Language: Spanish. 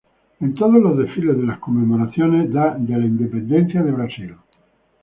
En todos los desfiles de las conmemoraciones de la Independencia de Brasil.